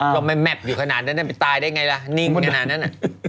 ทำไมแม่บอยู่ขนาดนั้นไปตายได้ไงล่ะนิ่งขนาดนั้น